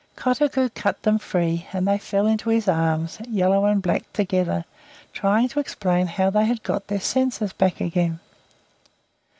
Kotuko cut them free, and they fell into his arms, yellow and black together, trying to explain how they had got their senses back again.